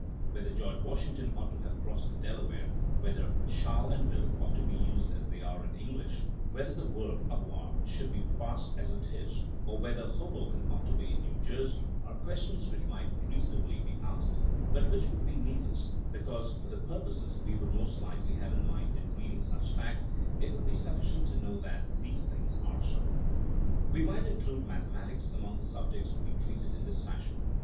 Whether George Washington ought to have crossed the Delaware, whether shall'* and wilP' ought to be used as they are in English, whether the verb avoir ought to be parsed as it is, or whether Hoboken ought to be in New Jersey, are ques tions which might reasonably be asked, but which would be needless, because for the pur poses we would most likely have in mind in read ing such facts it would be sufficient to know that THINKING AS A SCIENCE 151 these things are so. We might include mathe matics among the subjects to be treated in this fashion.